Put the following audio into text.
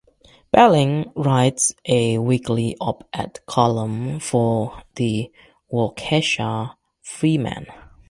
Belling writes a weekly op-ed column for the "Waukesha Freeman".